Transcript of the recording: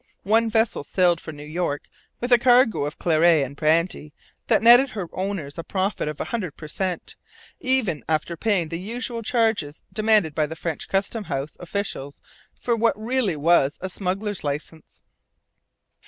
One vessel sailed for New York with a cargo of claret and brandy that netted her owners a profit of a hundred per cent, even after paying the usual charges demanded by the French custom house officials for what really was a smuggler's licence.